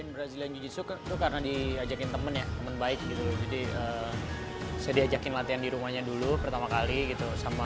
berita terkini mengenai perwakilan indonesia